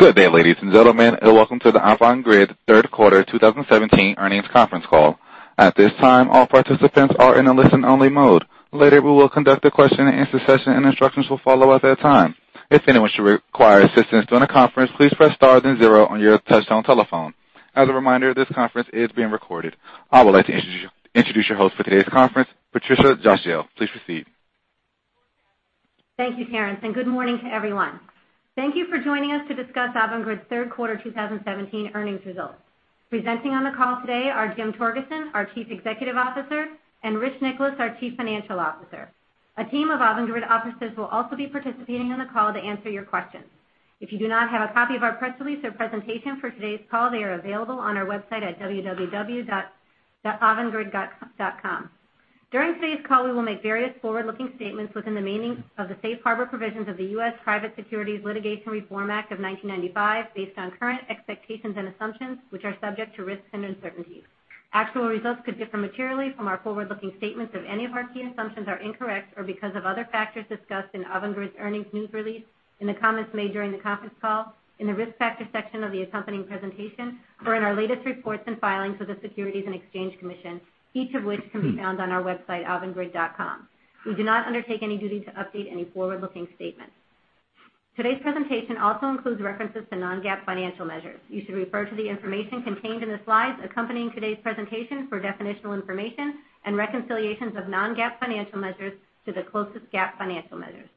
Good day, ladies and gentlemen. Welcome to the Avangrid third quarter 2017 earnings conference call. At this time, all participants are in a listen-only mode. Later, we will conduct a question-and-answer session. Instructions will follow at that time. If anyone should require assistance during the conference, please press star then zero on your touchtone telephone. As a reminder, this conference is being recorded. I would like to introduce your host for today's conference, Patricia Cosgel. Please proceed. Thank you, Terrence. Good morning to everyone. Thank you for joining us to discuss Avangrid's third quarter 2017 earnings results. Presenting on the call today are Jim Torgerson, our Chief Executive Officer, and Rich Nicholas, our Chief Financial Officer. A team of Avangrid officers will also be participating on the call to answer your questions. If you do not have a copy of our press release or presentation for today's call, they are available on our website at www.avangrid.com. During today's call, we will make various forward-looking statements within the meaning of the Safe Harbor provisions of the U.S. Private Securities Litigation Reform Act of 1995 based on current expectations and assumptions, which are subject to risks and uncertainties. Actual results could differ materially from our forward-looking statements if any of our key assumptions are incorrect or because of other factors discussed in Avangrid's earnings news release, in the comments made during the conference call, in the risk factor section of the accompanying presentation, or in our latest reports and filings with the Securities and Exchange Commission, each of which can be found on our website, avangrid.com. We do not undertake any duty to update any forward-looking statements. Today's presentation also includes references to non-GAAP financial measures. You should refer to the information contained in the slides accompanying today's presentation for definitional information and reconciliations of non-GAAP financial measures to the closest GAAP financial measures.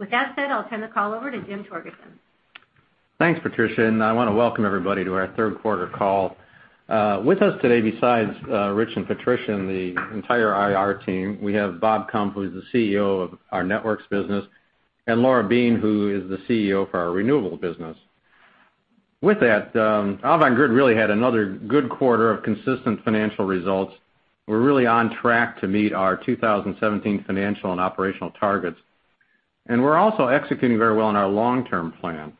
With that said, I'll turn the call over to Jim Torgerson. Thanks, Patricia. I want to welcome everybody to our third quarter call. With us today, besides Rich and Patricia and the entire IR team, we have Bob Kump, who is the CEO of our networks business, and Laura Beane, who is the CEO for our renewable business. With that, Avangrid really had another good quarter of consistent financial results. We're really on track to meet our 2017 financial and operational targets. We're also executing very well on our long-term plan.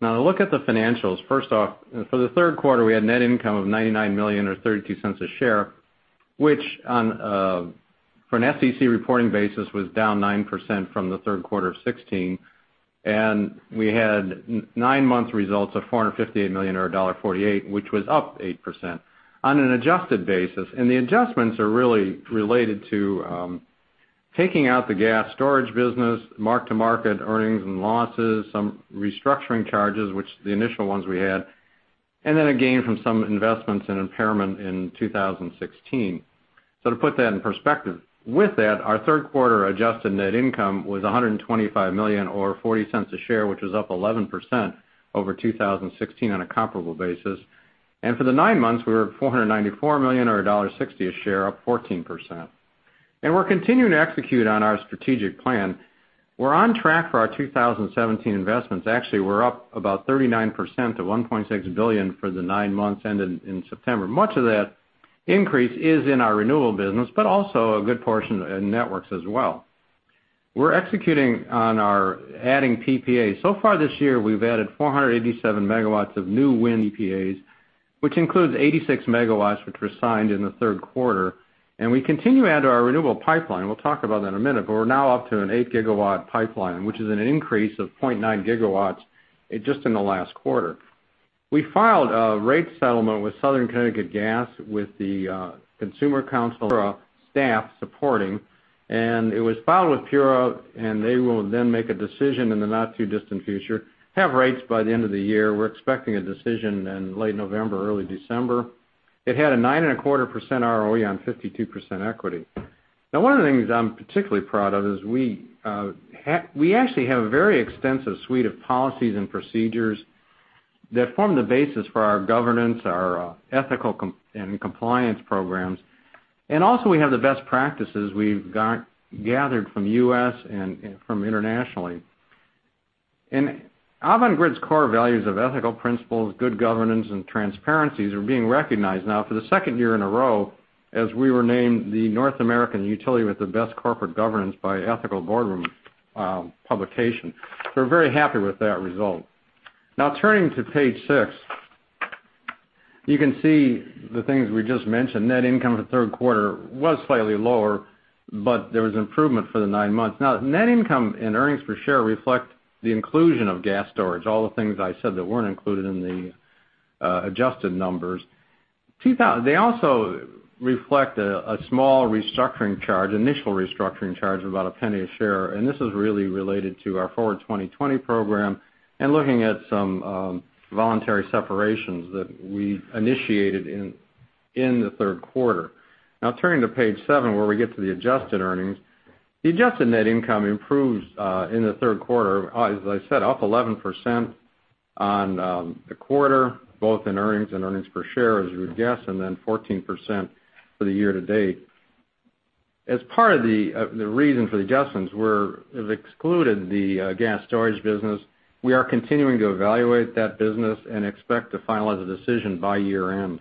Now to look at the financials, first off, for the third quarter, we had net income of $99 million, or $0.32 a share, which for an SEC reporting basis, was down 9% from the third quarter of 2016. We had nine months results of $458 million, or $1.48, which was up 8% on an adjusted basis. The adjustments are really related to taking out the gas storage business, mark-to-market earnings and losses, some restructuring charges, which the initial ones we had, and then again, from some investments in impairment in 2016. To put that in perspective, with that, our third quarter adjusted net income was $125 million or $0.40 a share, which was up 11% over 2016 on a comparable basis. For the nine months, we were at $494 million or $1.60 a share, up 14%. We're continuing to execute on our strategic plan. We're on track for our 2017 investments. Actually, we're up about 39% to $1.6 billion for the nine months ended in September. Much of that increase is in our renewable business, but also a good portion in Networks as well. We're executing on our adding PPAs. Far this year, we've added 487 megawatts of new wind PPAs, which includes 86 megawatts, which were signed in the third quarter. We continue to add to our renewable pipeline. We'll talk about that in a minute, but we're now up to an eight-gigawatt pipeline, which is an increase of 0.9 gigawatts just in the last quarter. We filed a rate settlement with Southern Connecticut Gas with the Consumer Council on staff supporting, it was filed with PURA, and they will then make a decision in the not-too-distant future, have rates by the end of the year. We're expecting a decision in late November, early December. It had a 9.25% ROE on 52% equity. One of the things I'm particularly proud of is we actually have a very extensive suite of policies and procedures that form the basis for our governance, our ethical and compliance programs. Also, we have the best practices we've gathered from U.S. and from internationally. Avangrid's core values of ethical principles, good governance, and transparencies are being recognized now for the second year in a row as we were named the North American utility with the best corporate governance by Ethical Boardroom publication. We're very happy with that result. Turning to page six, you can see the things we just mentioned. Net income in the third quarter was slightly lower, but there was improvement for the nine months. Net income and earnings per share reflect the inclusion of gas storage, all the things I said that weren't included in the adjusted numbers. They also reflect a small restructuring charge, initial restructuring charge of about $0.01 a share, This is really related to our Forward 2020 program and looking at some voluntary separations that we initiated in the third quarter. Turning to page seven, where we get to the adjusted earnings. The adjusted net income improves in the third quarter, as I said, up 11% on the quarter, both in earnings and earnings per share, as you would guess, then 14% for the year to date. Part of the reason for the adjustments, we have excluded the gas storage business. We are continuing to evaluate that business and expect to finalize a decision by year-end.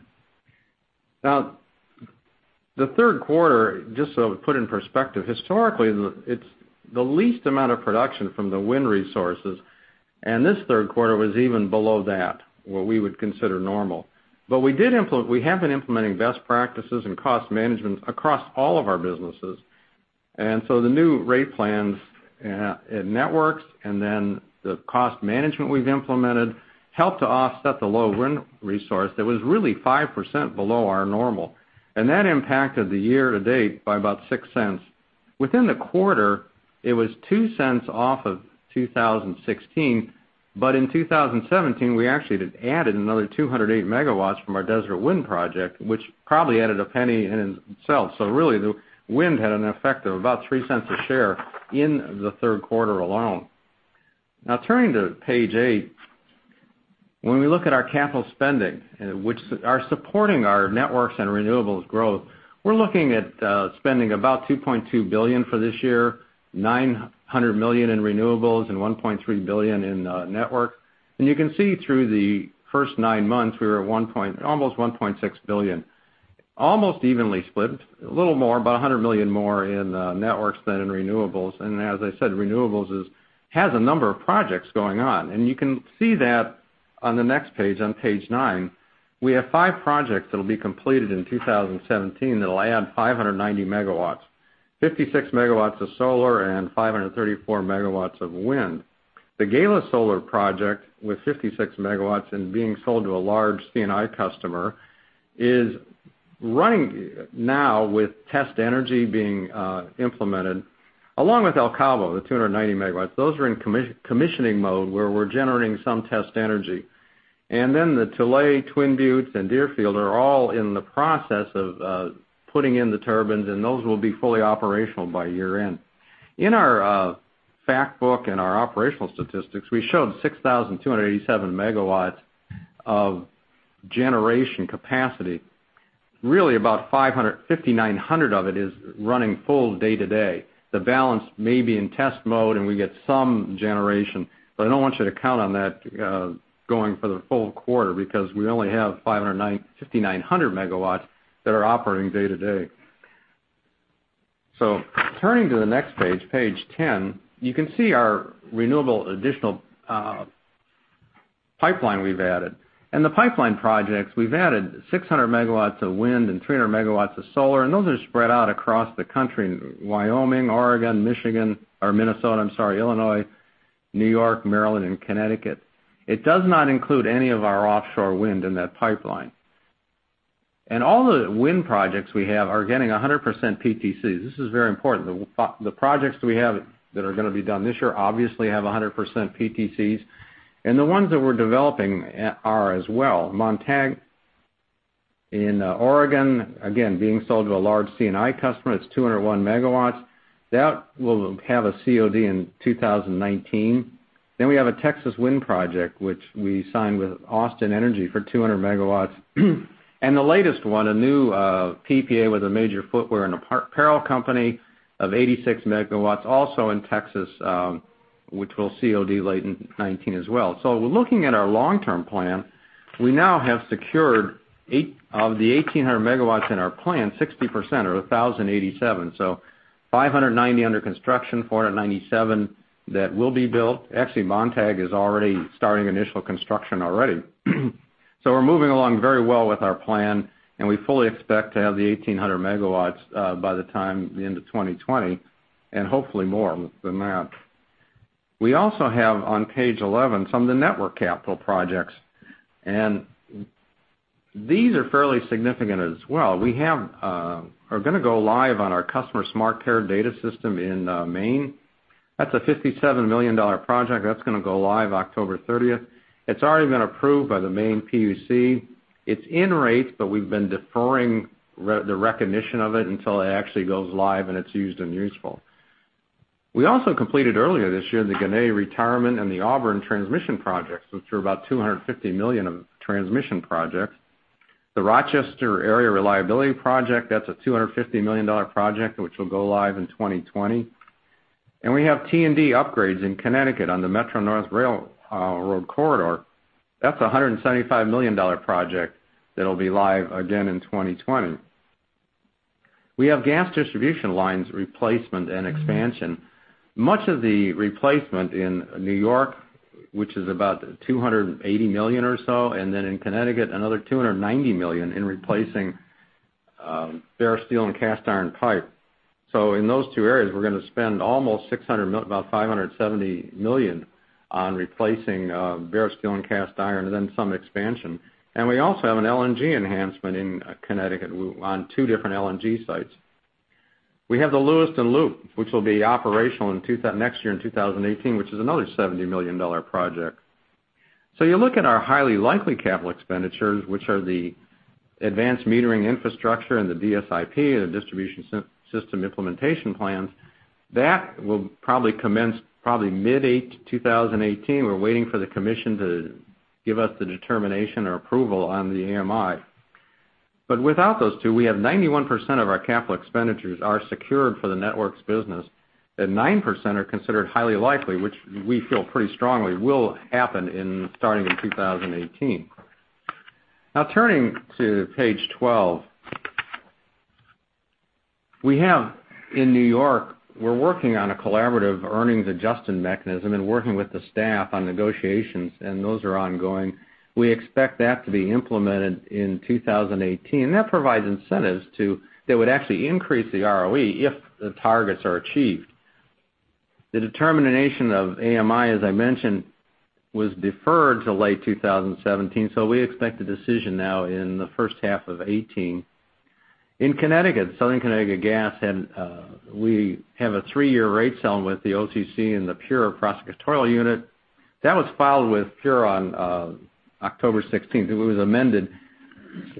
The third quarter, just to put in perspective, historically, it's the least amount of production from the wind resources, and this third quarter was even below that, what we would consider normal. We have been implementing best practices and cost management across all of our businesses. The new rate plans in networks, and then the cost management we've implemented helped to offset the low wind resource that was really 5% below our normal. That impacted the year-to-date by about $0.06. Within the quarter, it was $0.02 off of 2016, but in 2017, we actually added another 208 megawatts from our Desert Wind project, which probably added $0.01 in itself. Really, the wind had an effect of about $0.03 a share in the third quarter alone. Turning to page eight, when we look at our capital spending, which are supporting our networks and renewables growth, we're looking at spending about $2.2 billion for this year, $900 million in renewables and $1.3 billion in network. You can see through the first nine months, we were at almost $1.6 billion. Almost evenly split, a little more, about $100 million more in networks than in renewables. As I said, renewables has a number of projects going on. You can see that on the next page, on page nine. We have five projects that'll be completed in 2017 that'll add 590 megawatts, 56 megawatts of solar and 534 megawatts of wind. The Gala Solar project, with 56 megawatts and being sold to a large C&I customer, is running now with test energy being implemented, along with El Cabo, the 290 megawatts. Those are in commissioning mode, where we're generating some test energy. Then the Tule, Twin Buttes, and Deerfield are all in the process of putting in the turbines, and those will be fully operational by year-end. In our fact book and our operational statistics, we showed 6,287 megawatts of generation capacity. Really about 5,900 of it is running full day to day. The balance may be in test mode and we get some generation, but I don't want you to count on that going for the full quarter because we only have 5,900 megawatts that are operating day to day. Turning to the next page 10, you can see our renewable additional pipeline we've added. In the pipeline projects, we've added 600 megawatts of wind and 300 megawatts of solar, and those are spread out across the country in Wyoming, Oregon, Michigan, or Minnesota, I'm sorry, Illinois, New York, Maryland, and Connecticut. It does not include any of our offshore wind in that pipeline. All the wind projects we have are getting 100% PTCs. This is very important. The projects that we have that are going to be done this year obviously have 100% PTCs, and the ones that we're developing are as well. Montague in Oregon, again, being sold to a large C&I customer. It's 201 megawatts. That will have a COD in 2019. Then we have a Texas wind project, which we signed with Austin Energy for 200 megawatts. The latest one, a new PPA with a major footwear and apparel company of 86 megawatts also in Texas, which will COD late in 2019 as well. We're looking at our long-term plan. We now have secured of the 1,800 megawatts in our plan, 60%, or 1,087. 590 under construction, 497 that will be built. Actually, Montague is already starting initial construction already. We're moving along very well with our plan, and we fully expect to have the 1,800 MW by the end of 2020, and hopefully more than that. We also have, on page 11, some of the network capital projects. These are fairly significant as well. We're going to go live on our customer SmartCare data system in Maine. That's a $57 million project. That's going to go live October 30th. It's already been approved by the Maine PUC. It's in rate, but we've been deferring the recognition of it until it actually goes live and it's used and useful. We also completed earlier this year the Ginna Retirement and the Auburn transmission projects, which were about $250 million of transmission projects. The Rochester Area Reliability Project, that's a $250 million project, which will go live in 2020. We have T&D upgrades in Connecticut on the Metro-North Railroad Corridor. That's a $175 million project that'll be live, again, in 2020. We have gas distribution lines replacement and expansion. Much of the replacement in New York, which is about $280 million or so, and then in Connecticut, another $290 million in replacing bare steel and cast iron pipe. In those two areas, we're going to spend about $570 million on replacing bare steel and cast iron, and then some expansion. We also have an LNG enhancement in Connecticut on two different LNG sites. We have the Lewiston Loop, which will be operational next year in 2018, which is another $70 million project. You look at our highly likely capital expenditures, which are the advanced metering infrastructure and the DSIP, the Distribution System Implementation Plans, that will probably commence probably mid-2018. We're waiting for the commission to give us the determination or approval on the AMI. But without those two, we have 91% of our capital expenditures are secured for the networks business. That 9% are considered highly likely, which we feel pretty strongly will happen starting in 2018. Now turning to page 12. We have in New York, we're working on a collaborative earnings adjustment mechanism and working with the staff on negotiations, and those are ongoing. We expect that to be implemented in 2018. That provides incentives that would actually increase the ROE if the targets are achieved. The determination of AMI, as I mentioned, was deferred to late 2017, so we expect a decision now in the first half of 2018. In Connecticut, Southern Connecticut Gas, we have a three-year rate settlement with the OCC and the PURA prosecutorial unit. That was filed with PURA on October 16th. It was amended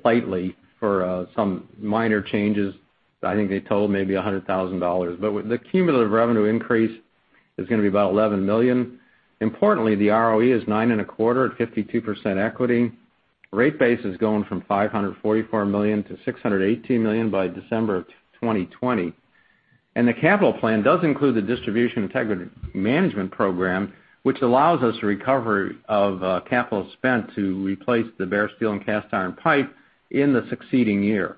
slightly for some minor changes. I think they totaled maybe $100,000. But the cumulative revenue increase is going to be about $11 million. Importantly, the ROE is nine and a quarter at 52% equity. Rate base is going from $544 million to $618 million by December of 2020. The capital plan does include the Distribution Integrity Management Program, which allows us recovery of capital spent to replace the bare steel and cast iron pipe in the succeeding year.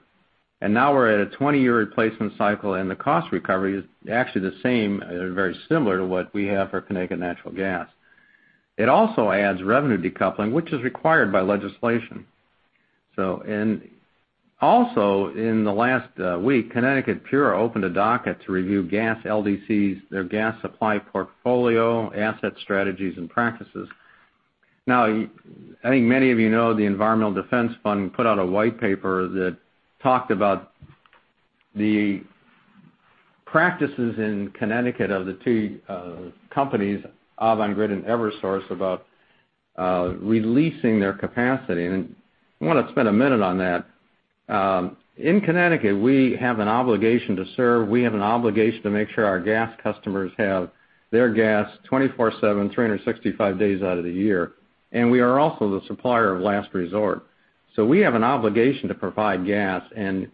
Now we're at a 20-year replacement cycle, and the cost recovery is actually the same, very similar to what we have for Connecticut Natural Gas. It also adds revenue decoupling, which is required by legislation. Also, in the last week, Connecticut PURA opened a docket to review gas LDCs, their gas supply portfolio, asset strategies, and practices. I think many of you know the Environmental Defense Fund put out a white paper that talked about the practices in Connecticut of the two companies, Avangrid and Eversource, about releasing their capacity. I want to spend a minute on that. In Connecticut, we have an obligation to serve. We have an obligation to make sure our gas customers have their gas 24/7, 365 days out of the year, and we are also the supplier of last resort. We have an obligation to provide gas, and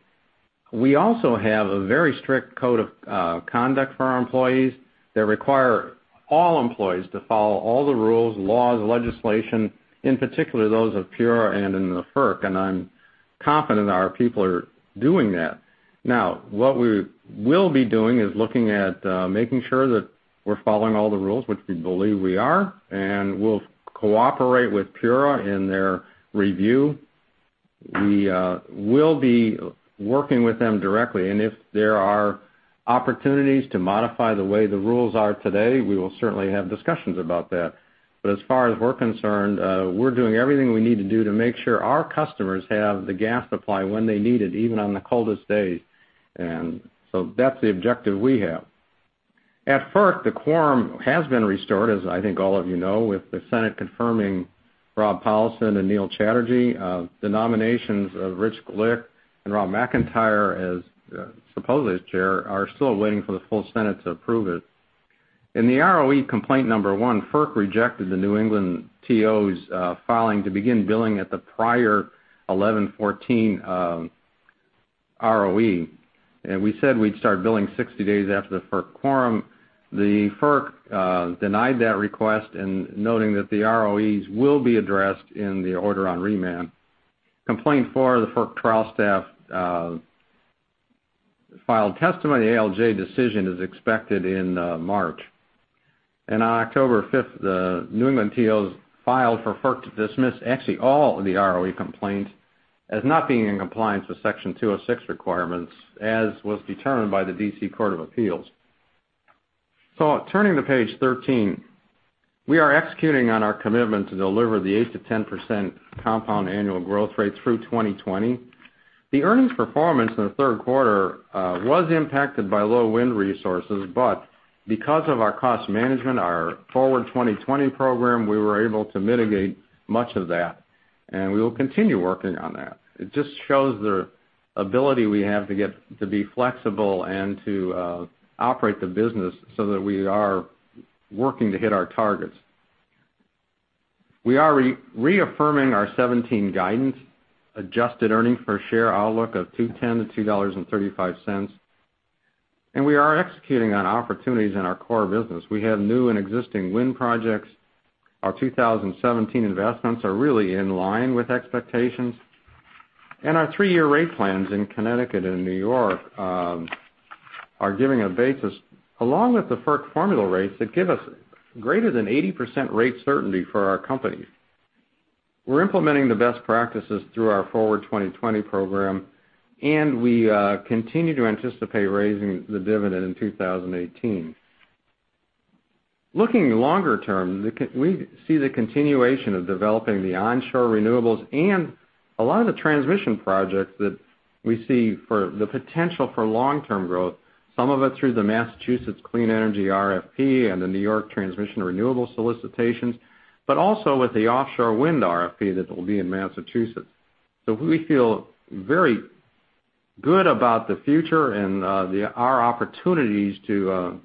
we also have a very strict code of conduct for our employees that require all employees to follow all the rules, laws, legislation, in particular, those of PURA and in the FERC. I'm confident our people are doing that. What we will be doing is looking at making sure that we're following all the rules, which we believe we are, and we'll cooperate with PURA in their review. We will be working with them directly, and if there are opportunities to modify the way the rules are today, we will certainly have discussions about that. As far as we're concerned, we're doing everything we need to do to make sure our customers have the gas supply when they need it, even on the coldest days. That's the objective we have. At FERC, the quorum has been restored, as I think all of you know, with the Senate confirming Robert Powelson and Neil Chatterjee. The nominations of Richard Glick and Rob McIntyre as proposed chair, are still waiting for the full Senate to approve it. In the ROE complaint number one, FERC rejected the New England TO's filing to begin billing at the prior 1114 ROE. We said we'd start billing 60 days after the FERC quorum. The FERC denied that request, noting that the ROEs will be addressed in the order on remand. Complaint four, the FERC trial staff filed testimony. ALJ decision is expected in March. On October 5th, the New England TOs filed for FERC to dismiss actually all of the ROE complaints as not being in compliance with Section 206 requirements, as was determined by the D.C. Court of Appeals. Turning to page 13, we are executing on our commitment to deliver the 8%-10% compound annual growth rate through 2020. The earnings performance in the third quarter was impacted by low wind resources, because of our cost management, our Forward 2020 Program, we were able to mitigate much of that, we will continue working on that. It just shows the ability we have to be flexible and to operate the business so that we are working to hit our targets. We are reaffirming our 2017 guidance, adjusted earnings per share outlook of $2.10-$2.35, we are executing on opportunities in our core business. We have new and existing wind projects. Our 2017 investments are really in line with expectations. Our three-year rate plans in Connecticut and New York are giving a basis, along with the FERC formula rates, that give us greater than 80% rate certainty for our companies. We're implementing the best practices through our Forward 2020 program, we continue to anticipate raising the dividend in 2018. Looking longer term, we see the continuation of developing the onshore renewables and a lot of the transmission projects that we see for the potential for long-term growth, some of it through the Massachusetts Clean Energy RFP and the New York transmission renewable solicitations, but also with the offshore wind RFP that will be in Massachusetts. We feel very good about the future and our opportunities to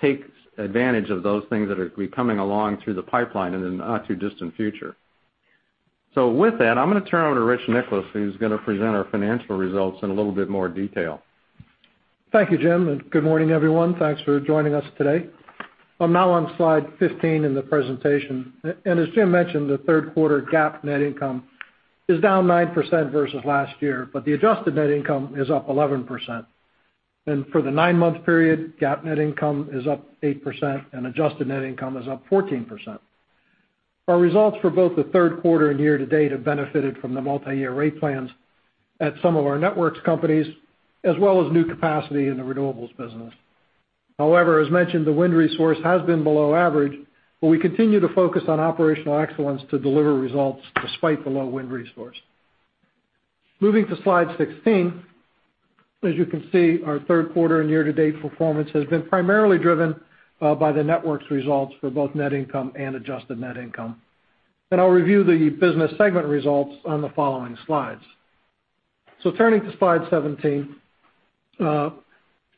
take advantage of those things that will be coming along through the pipeline in the not-too-distant future. With that, I'm going to turn it over to Rich Nicholas, who's going to present our financial results in a little bit more detail. Thank you, Jim, good morning, everyone. Thanks for joining us today. I'm now on slide 15 in the presentation. As Jim mentioned, the third quarter GAAP net income is down 9% versus last year, but the adjusted net income is up 11%. For the nine-month period, GAAP net income is up 8%, and adjusted net income is up 14%. Our results for both the third quarter and year-to-date have benefited from the multi-year rate plans at some of our networks companies, as well as new capacity in the renewables business. However, as mentioned, the wind resource has been below average, but we continue to focus on operational excellence to deliver results despite the low wind resource. Moving to slide 16, as you can see, our third quarter and year-to-date performance has been primarily driven by the networks results for both net income and adjusted net income. I'll review the business segment results on the following slides. Turning to slide 17,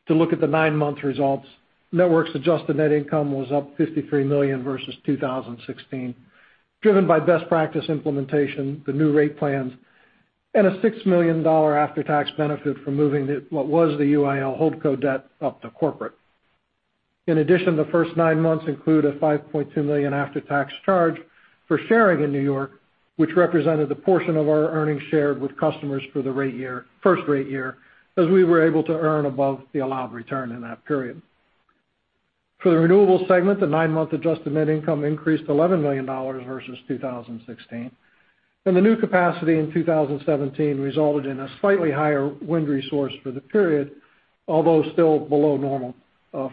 to look at the nine-month results. Networks adjusted net income was up $53 million versus 2016, driven by best practice implementation, the new rate plans, and a $6 million after-tax benefit from moving what was the UIL holdco debt up to corporate. In addition, the first nine months include a $5.2 million after-tax charge for sharing in New York, which represented the portion of our earnings shared with customers for the first rate year, as we were able to earn above the allowed return in that period. For the renewables segment, the nine-month adjusted net income increased $11 million versus 2016, the new capacity in 2017 resulted in a slightly higher wind resource for the period, although still below normal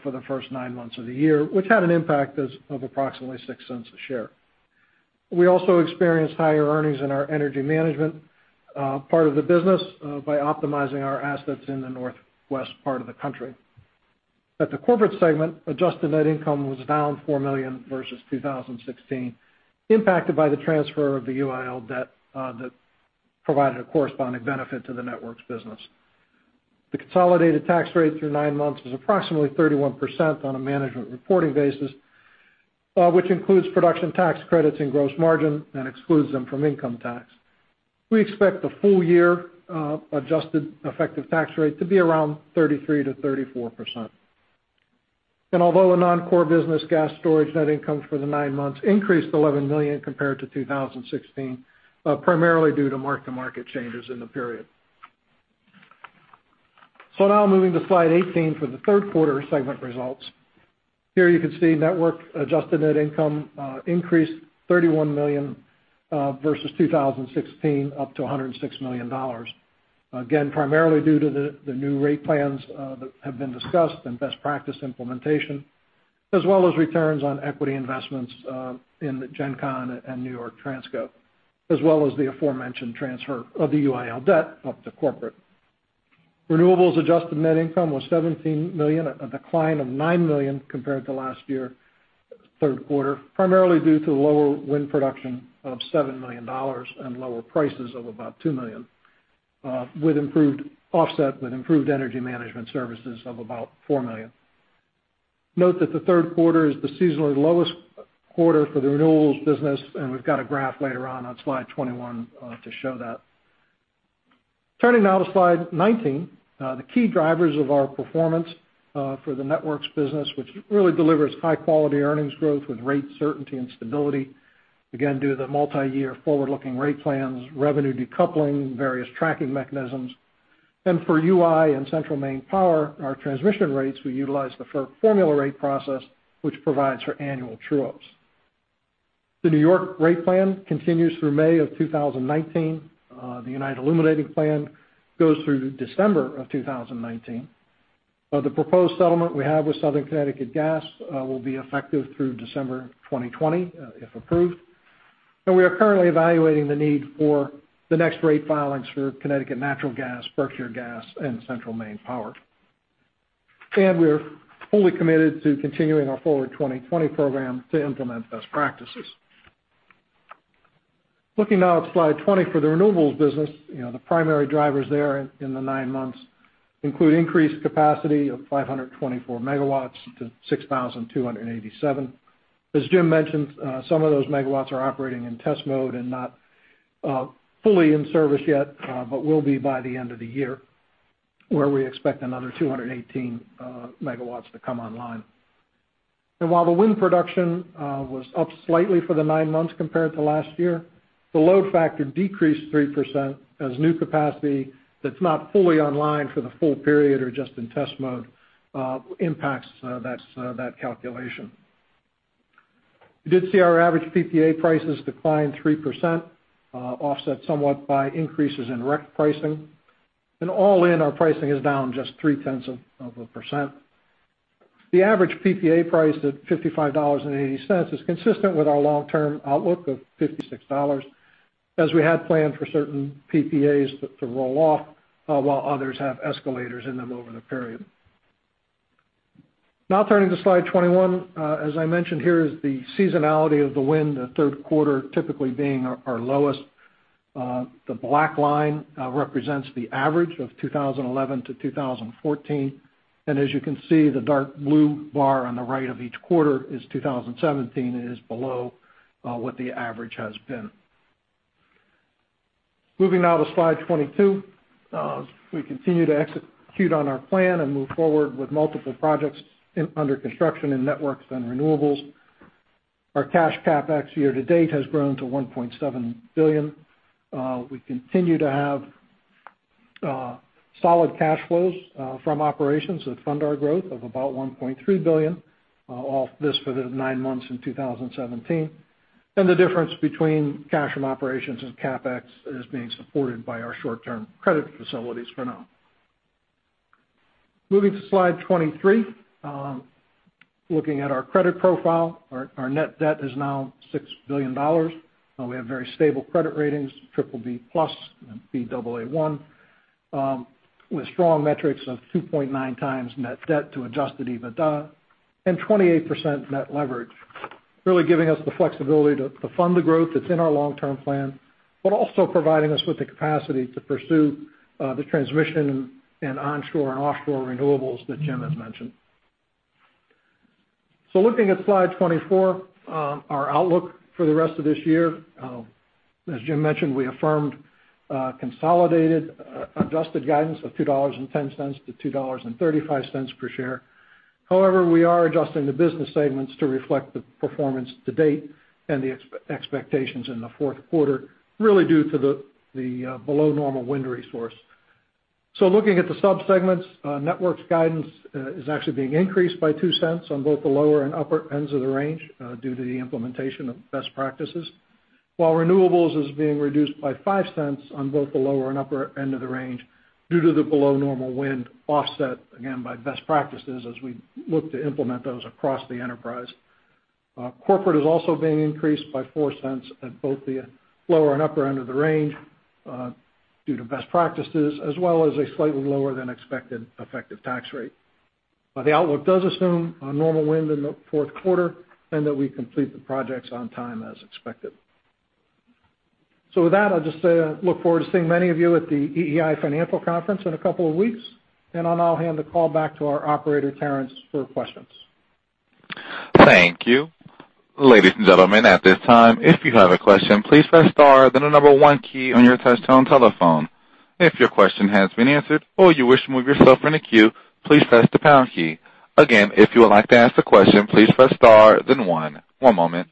for the first nine months of the year, which had an impact of approximately $0.06 a share. We also experienced higher earnings in our energy management part of the business by optimizing our assets in the Northwest part of the country. At the corporate segment, adjusted net income was down $4 million versus 2016, impacted by the transfer of the UIL debt that provided a corresponding benefit to the networks business. The consolidated tax rate through nine months is approximately 31% on a management reporting basis, which includes production tax credits and gross margin and excludes them from income tax. We expect the full-year adjusted effective tax rate to be around 33%-34%. Although a non-core business gas storage net income for the nine months increased $11 million compared to 2016, primarily due to mark-to-market changes in the period. Now moving to slide 18 for the third quarter segment results. Here you can see network adjusted net income increased $31 million versus 2016 up to $106 million. Again, primarily due to the new rate plans that have been discussed and best practice implementation, as well as returns on equity investments in the GenConn and New York Transco, as well as the aforementioned transfer of the UIL debt up to corporate. Renewables adjusted net income was $17 million, a decline of $9 million compared to last year, third quarter, primarily due to lower wind production of $7 million and lower prices of about $2 million, with improved offset with improved energy management services of about $4 million. Note that the third quarter is the seasonally lowest quarter for the renewables business, and we've got a graph later on slide 21 to show that. Turning now to slide 19, the key drivers of our performance for the networks business, which really delivers high-quality earnings growth with rate certainty and stability, again, due to the multi-year forward-looking rate plans, revenue decoupling, various tracking mechanisms. For UI and Central Maine Power, our transmission rates, we utilize the FERC formula rate process, which provides for annual true-ups. The New York rate plan continues through May of 2019. The United Illuminating plan goes through December of 2019. The proposed settlement we have with Southern Connecticut Gas will be effective through December 2020, if approved. We are currently evaluating the need for the next rate filings for Connecticut Natural Gas, Berkshire Gas, and Central Maine Power. We are fully committed to continuing our Forward 2020 program to implement best practices. Looking now at slide 20 for the renewables business. The primary drivers there in the nine months include increased capacity of 524 megawatts to 6,287. As Jim mentioned, some of those megawatts are operating in test mode and not fully in service yet, but will be by the end of the year, where we expect another 218 megawatts to come online. While the wind production was up slightly for the nine months compared to last year, the load factor decreased 3% as new capacity that's not fully online for the full period or just in test mode, impacts that calculation. We did see our average PPA prices decline 3%, offset somewhat by increases in REC pricing. All in, our pricing is down just 0.3%. The average PPA price at $55.80 is consistent with our long-term outlook of $56, as we had planned for certain PPAs to roll off while others have escalators in them over the period. Now turning to slide 21. As I mentioned here is the seasonality of the wind, the third quarter typically being our lowest. The black line represents the average of 2011-2014. As you can see, the dark blue bar on the right of each quarter is 2017, and it is below what the average has been. Moving now to slide 22. We continue to execute on our plan and move forward with multiple projects under construction in networks and renewables. Our cash CapEx year to date has grown to $1.7 billion. We continue to have solid cash flows from operations that fund our growth of about $1.3 billion, all this for the nine months in 2017. The difference between cash from operations and CapEx is being supported by our short-term credit facilities for now. Moving to slide 23. Looking at our credit profile, our net debt is now $6 billion. We have very stable credit ratings, BBB+ and Baa1, with strong metrics of 2.9 times net debt to adjusted EBITDA and 28% net leverage, really giving us the flexibility to fund the growth that's in our long-term plan, but also providing us with the capacity to pursue the transmission and onshore and offshore renewables that Jim has mentioned. Looking at slide 24, our outlook for the rest of this year. As Jim mentioned, we affirmed consolidated adjusted guidance of $2.10 to $2.35 per share. However, we are adjusting the business segments to reflect the performance to date and the expectations in the fourth quarter, really due to the below normal wind resource. Looking at the sub-segments, Networks guidance is actually being increased by $0.02 on both the lower and upper ends of the range due to the implementation of best practices, while Renewables is being reduced by $0.05 on both the lower and upper end of the range due to the below normal wind offset, again, by best practices as we look to implement those across the enterprise. Corporate is also being increased by $0.04 at both the lower and upper end of the range due to best practices, as well as a slightly lower than expected effective tax rate. The outlook does assume a normal wind in the fourth quarter and that we complete the projects on time as expected. With that, I'll just say I look forward to seeing many of you at the EEI Financial Conference in a couple of weeks, and I'll now hand the call back to our operator, Terrence, for questions. Thank you. Ladies and gentlemen, at this time, if you have a question, please press star, then the number one key on your touchtone telephone. If your question has been answered or you wish to move yourself in the queue, please press the pound key. Again, if you would like to ask a question, please press star, then one. One moment.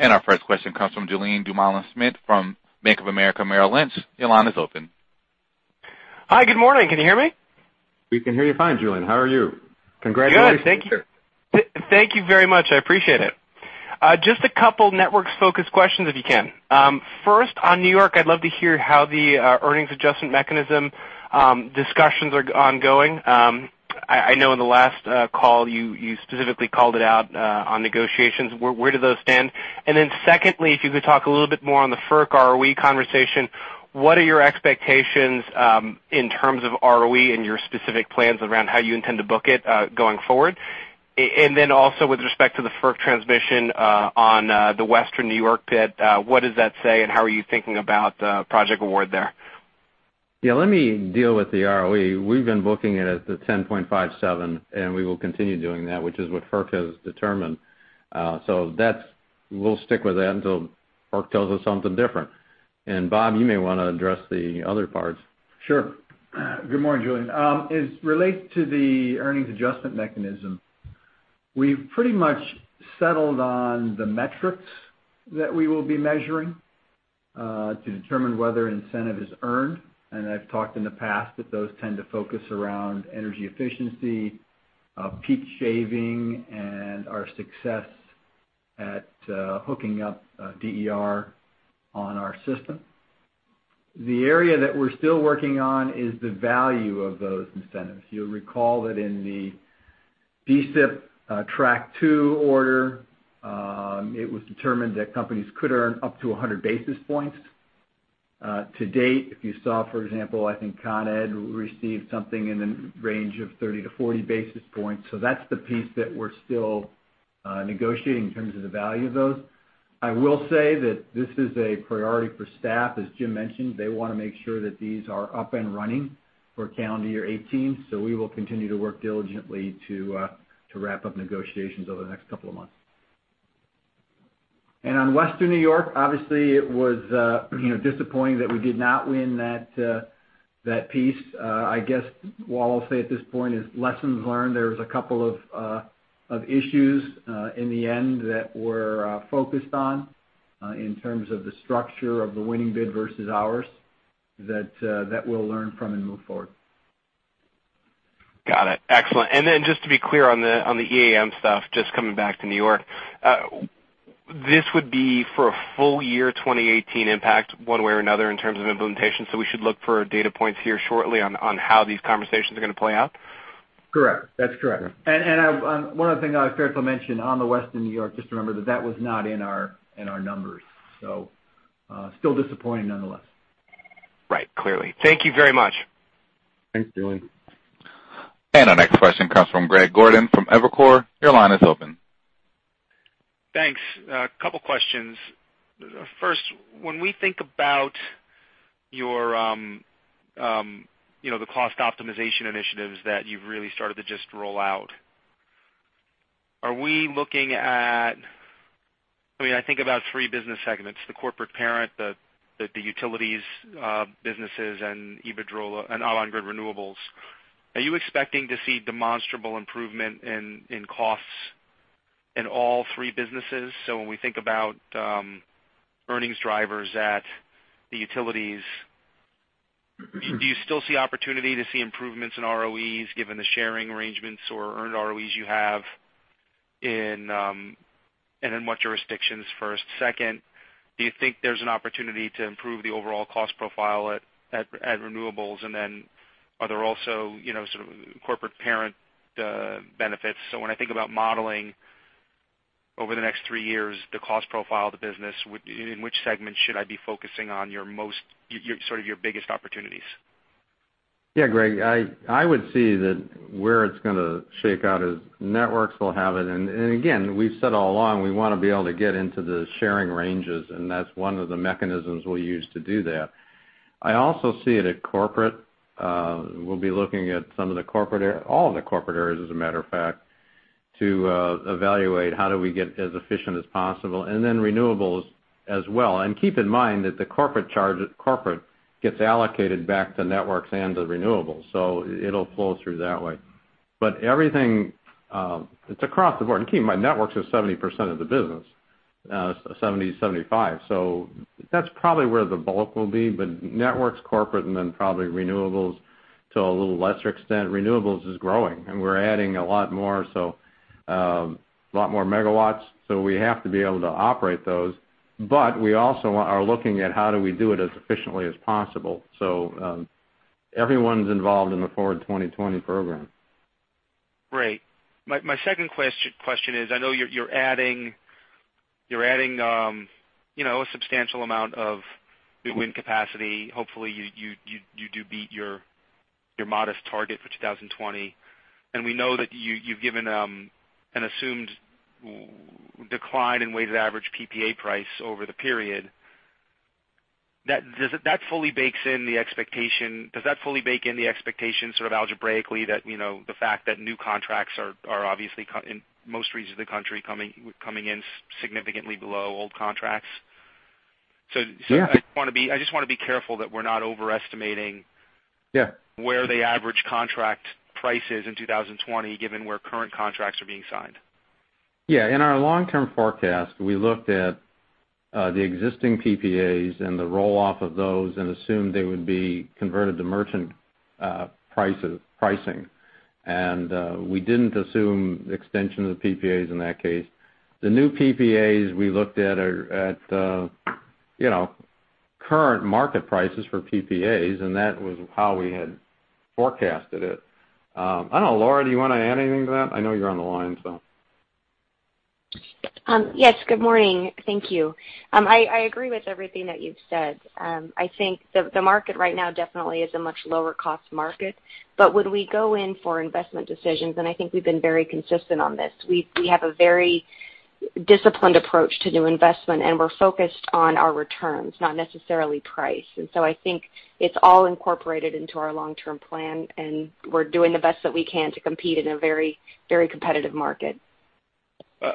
Our first question comes from Julien Dumoulin-Smith from Bank of America Merrill Lynch. Your line is open. Hi, good morning. Can you hear me? We can hear you fine, Julien. How are you? Congratulations. Good. Thank you very much. I appreciate it. Just a couple networks-focused questions, if you can. First, on New York, I'd love to hear how the earnings adjustment mechanism discussions are ongoing. I know in the last call you specifically called it out on negotiations. Where do those stand? Secondly, if you could talk a little bit more on the FERC ROE conversation. What are your expectations in terms of ROE and your specific plans around how you intend to book it going forward? Also with respect to the FERC transmission on the Western New York project, what does that say, and how are you thinking about project award there? Yeah, let me deal with the ROE. We've been booking it at the 10.57%, and we will continue doing that, which is what FERC has determined. We'll stick with that until FERC tells us something different. Bob, you may want to address the other parts. Sure. Good morning, Julien. As it relates to the earnings adjustment mechanism, we've pretty much settled on the metrics that we will be measuring to determine whether incentive is earned. I've talked in the past that those tend to focus around energy efficiency, peak shaving, and our success at hooking up DER on our system. The area that we're still working on is the value of those incentives. You'll recall that in the DSIP Track 2 order, it was determined that companies could earn up to 100 basis points. To date, if you saw, for example, I think Consolidated Edison received something in the range of 30 to 40 basis points. That's the piece that we're still negotiating in terms of the value of those. I will say that this is a priority for staff. As Jim mentioned, they want to make sure that these are up and running for calendar year 2018, so we will continue to work diligently to wrap up negotiations over the next couple of months. On Western New York, obviously, it was disappointing that we did not win that piece. I guess what I'll say at this point is lessons learned. There was a couple of issues in the end that were focused on in terms of the structure of the winning bid versus ours, that we'll learn from and move forward. Got it. Excellent. Just to be clear on the EAM stuff, just coming back to New York. This would be for a full year 2018 impact one way or another in terms of implementation, so we should look for data points here shortly on how these conversations are going to play out? Correct. That's correct. Yeah. One other thing I forgot to mention on the Western New York, just remember that that was not in our numbers. Still disappointing nonetheless. Right. Clearly. Thank you very much. Thanks, Julien. Our next question comes from Greg Gordon from Evercore. Your line is open. Thanks. A couple questions. First, when we think about the cost optimization initiatives that you've really started to just roll out, are we looking at, I think about three business segments, the corporate parent, the utilities businesses, and Avangrid Renewables. Are you expecting to see demonstrable improvement in costs in all three businesses? When we think about earnings drivers at the utilities, do you still see opportunity to see improvements in ROEs given the sharing arrangements or earned ROEs you have and in what jurisdictions first? Second, do you think there's an opportunity to improve the overall cost profile at renewables? Are there also corporate parent benefits? When I think about modeling over the next three years, the cost profile of the business, in which segment should I be focusing on your biggest opportunities? Yeah, Greg, I would see that where it's going to shake out is networks will have it. Again, we've said all along, we want to be able to get into the sharing ranges, and that's one of the mechanisms we'll use to do that. I also see it at corporate. We'll be looking at all of the corporate areas, as a matter of fact, to evaluate how do we get as efficient as possible, and then renewables as well. Keep in mind that the corporate gets allocated back to networks and to renewables. It'll flow through that way. It's across the board, and keep in mind, networks are 70% of the business, 70%-75%. That's probably where the bulk will be, but networks, corporate, and then probably renewables to a little lesser extent. Renewables is growing, and we're adding a lot more megawatts, so we have to be able to operate those. We also are looking at how do we do it as efficiently as possible. Everyone's involved in the Forward 2020 program. Great. My second question is, I know you're adding a substantial amount of new wind capacity. Hopefully, you do beat your modest target for 2020. We know that you've given an assumed decline in weighted average PPA price over the period. Does that fully bake in the expectation sort of algebraically that the fact that new contracts are obviously, in most regions of the country, coming in significantly below old contracts? Yeah. I just want to be careful that we're not overestimating. Yeah where the average contract price is in 2020, given where current contracts are being signed. Yeah. In our long-term forecast, we looked at the existing PPAs and the roll-off of those and assumed they would be converted to merchant pricing. We didn't assume extension of the PPAs in that case. The new PPAs we looked at are at current market prices for PPAs, and that was how we had forecasted it. I don't know, Laura, do you want to add anything to that? I know you're on the line. Yes. Good morning. Thank you. I agree with everything that you've said. I think the market right now definitely is a much lower cost market. When we go in for investment decisions, and I think we've been very consistent on this, we have a very disciplined approach to new investment, and we're focused on our returns, not necessarily price. I think it's all incorporated into our long-term plan, and we're doing the best that we can to compete in a very competitive market.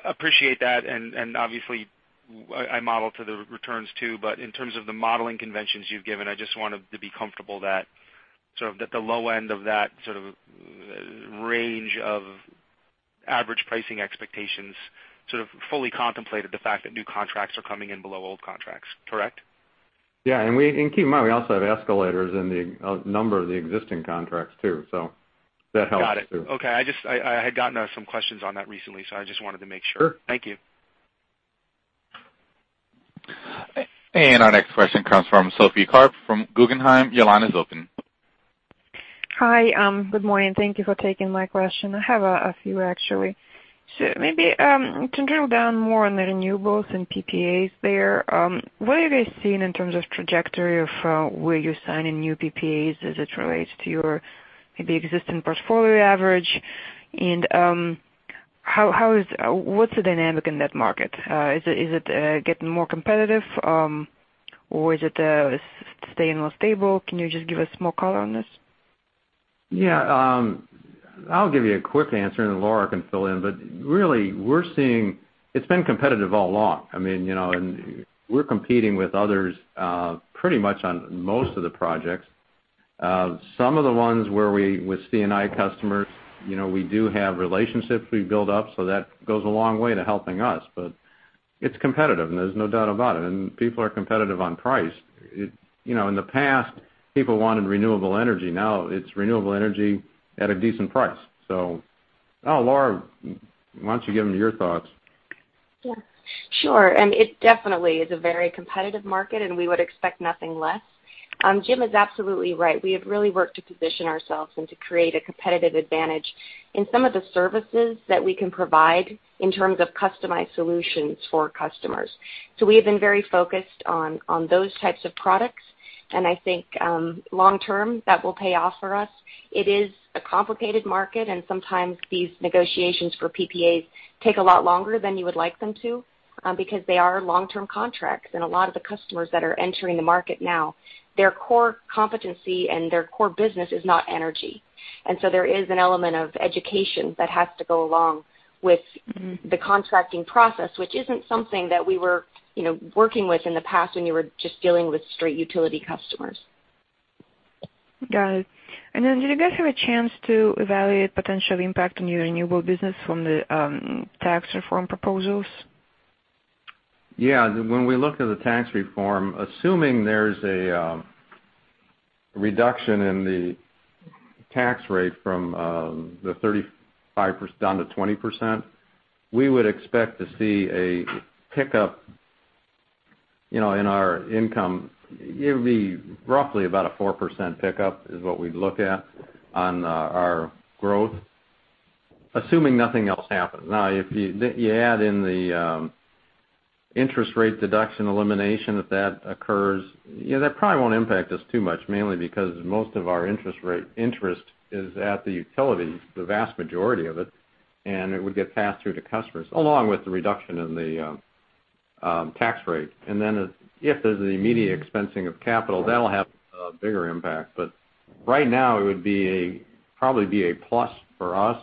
Appreciate that. Obviously, I model to the returns too. In terms of the modeling conventions you've given, I just wanted to be comfortable that the low end of that range of average pricing expectations fully contemplated the fact that new contracts are coming in below old contracts. Correct? Yeah. Keep in mind, we also have escalators in a number of the existing contracts too. That helps too. Got it. Okay. I had gotten some questions on that recently. I just wanted to make sure. Sure. Thank you. Our next question comes from Sophie Karp from Guggenheim. Your line is open. Hi. Good morning. Thank you for taking my question. I have a few, actually. Maybe to drill down more on the renewables and PPAs there, what are you guys seeing in terms of trajectory of where you're signing new PPAs as it relates to your maybe existing portfolio average? What's the dynamic in that market? Is it getting more competitive or is it staying more stable? Can you just give us more color on this? Yeah. I'll give you a quick answer, and then Laura can fill in. Really, it's been competitive all along. We're competing with others pretty much on most of the projects. Some of the ones with C&I customers, we do have relationships we've built up, so that goes a long way to helping us, but it's competitive, and there's no doubt about it. People are competitive on price. In the past, people wanted renewable energy. Now it's renewable energy at a decent price. Laura, why don't you give them your thoughts? Yeah. Sure. It definitely is a very competitive market, and we would expect nothing less. Jim is absolutely right. We have really worked to position ourselves and to create a competitive advantage in some of the services that we can provide in terms of customized solutions for customers. We have been very focused on those types of products, and I think long term, that will pay off for us. It is a complicated market, and sometimes these negotiations for PPAs take a lot longer than you would like them to because they are long-term contracts. A lot of the customers that are entering the market now, their core competency and their core business is not energy. There is an element of education that has to go along with the contracting process, which isn't something that we were working with in the past when you were just dealing with straight utility customers. Got it. Did you guys have a chance to evaluate potential impact on your renewable business from the tax reform proposals? Yeah. When we look at the tax reform, assuming there's a reduction in the tax rate from the 35% down to 20%, we would expect to see a pickup in our income. It would be roughly about a 4% pickup is what we'd look at on our growth, assuming nothing else happens. Now, if you add in the interest rate deduction elimination, if that occurs, that probably won't impact us too much, mainly because most of our interest rate interest is at the utility, the vast majority of it, and it would get passed through to customers, along with the reduction in the tax rate. If there's an immediate expensing of capital, that'll have a bigger impact. Right now it would probably be a plus for us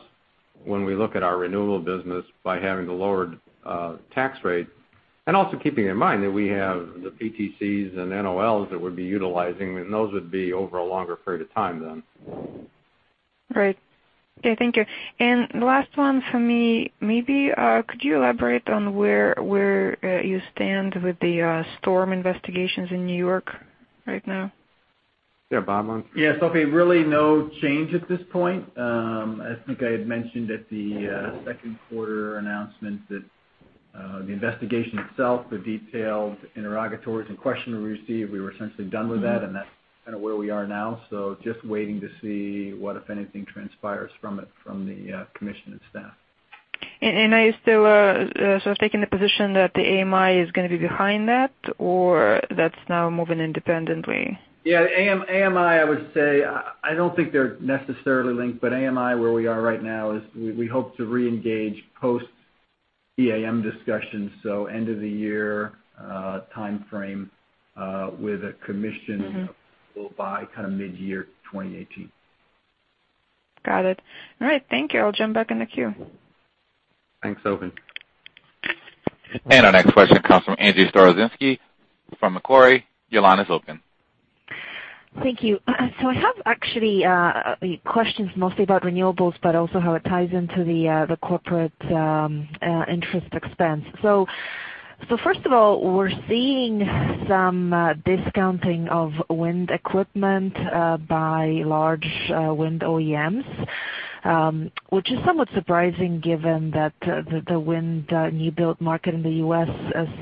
when we look at our renewable business by having the lower tax rate and also keeping in mind that we have the PTCs and NOLs that would be utilizing, and those would be over a longer period of time then. Great. Okay. Thank you. Last one for me. Maybe could you elaborate on where you stand with the storm investigations in New York right now? Yeah. Bob on. Yeah. Sophie, really no change at this point. I think I had mentioned at the second quarter announcement that the investigation itself, the detailed interrogatories and questionnaires we received, we were essentially done with that, and that's kind of where we are now. Just waiting to see what, if anything, transpires from it, from the commission and staff. Are you still sort of taking the position that the AMI is going to be behind that, or that's now moving independently? Yeah. AMI, I would say, I don't think they're necessarily linked, but AMI, where we are right now is we hope to reengage post EAM discussions, so end of the year timeframe, with a commission- approved by kind of mid-year 2018. Got it. All right. Thank you. I'll jump back in the queue. Thanks, Sophie. Our next question comes from Angie Storozynski from Macquarie. Your line is open. Thank you. I have actually questions mostly about renewables, but also how it ties into the corporate interest expense. First of all, we're seeing some discounting of wind equipment by large wind OEMs, which is somewhat surprising given that the wind new build market in the U.S.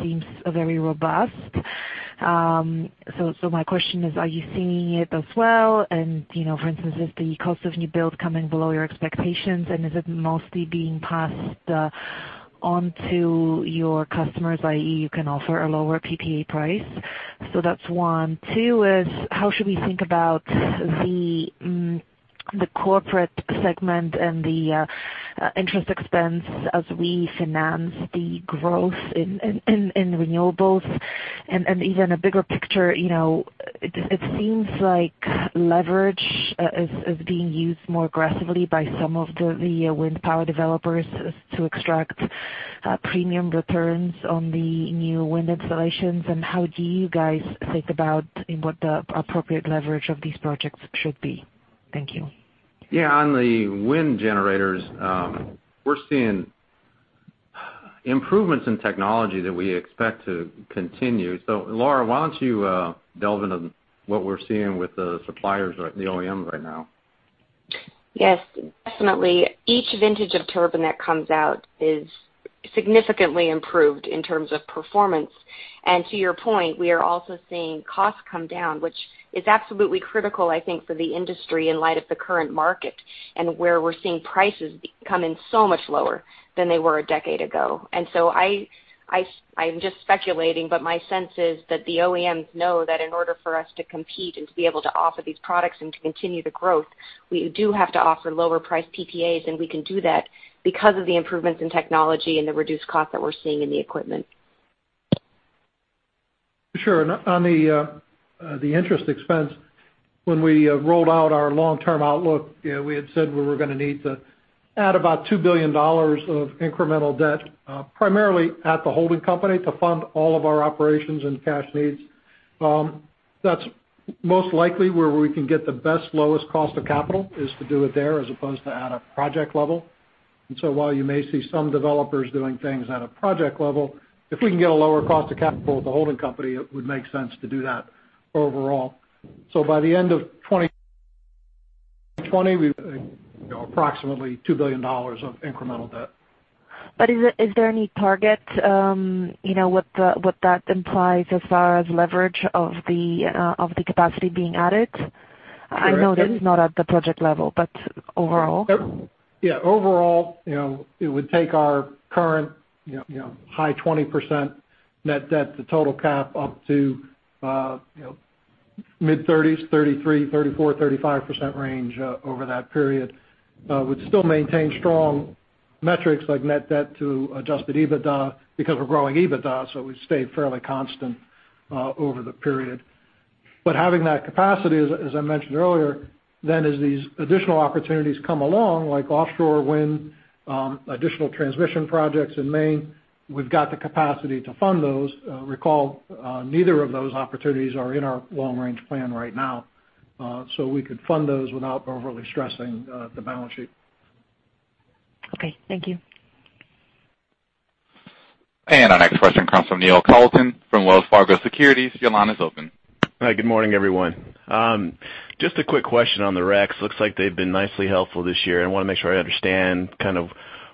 seems very robust. My question is, are you seeing it as well? For instance, is the cost of new build coming below your expectations, and is it mostly being passed on to your customers, i.e., you can offer a lower PPA price? That's one. Two is how should we think about the corporate segment and the interest expense as we finance the growth in renewables. Even a bigger picture, it seems like leverage is being used more aggressively by some of the wind power developers to extract premium returns on the new wind installations. How do you guys think about what the appropriate leverage of these projects should be? Thank you. Yeah. On the wind generators, we're seeing improvements in technology that we expect to continue. Laura, why don't you delve into what we're seeing with the suppliers or the OEMs right now? Yes, definitely. Each vintage of turbine that comes out is significantly improved in terms of performance. To your point, we are also seeing costs come down, which is absolutely critical, I think, for the industry in light of the current market and where we're seeing prices come in so much lower than they were a decade ago. I'm just speculating, but my sense is that the OEMs know that in order for us to compete and to be able to offer these products and to continue the growth, we do have to offer lower priced PPAs. We can do that because of the improvements in technology and the reduced cost that we're seeing in the equipment. Sure. On the interest expense, when we rolled out our long-term outlook, we had said we were going to need to add about $2 billion of incremental debt, primarily at the holding company to fund all of our operations and cash needs. That's most likely where we can get the best lowest cost of capital is to do it there as opposed to at a project level. While you may see some developers doing things at a project level, if we can get a lower cost of capital at the holding company, it would make sense to do that overall. By the end of 2020, we would have approximately $2 billion of incremental debt. Is there any target, what that implies as far as leverage of the capacity being added? I know that is not at the project level, but overall. Yeah. Overall, it would take our current high 20% net debt, the total cap up to mid-30s, 33%, 34%, 35% range over that period. We'd still maintain strong metrics like net debt to adjusted EBITDA because we're growing EBITDA, we stay fairly constant over the period. Having that capacity, as I mentioned earlier- As these additional opportunities come along, like offshore wind, additional transmission projects in Maine, we've got the capacity to fund those. Recall, neither of those opportunities are in our long-range plan right now. We could fund those without overly stressing the balance sheet. Okay. Thank you. Our next question comes from Neil Kalton from Wells Fargo Securities. Your line is open. Hi. Good morning, everyone. Just a quick question on the RECs. Looks like they've been nicely helpful this year. I want to make sure I understand